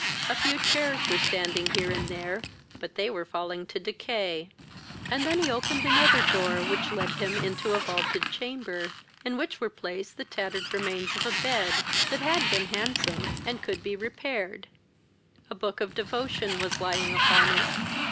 A few chairs were standing here and there, but they were falling to decay. He then opened another door, which led him into a vaulted chamber, in which were placed the tattered remains of a bed, that had been handsome, and could be repaired. A book of devotion was lying upon it.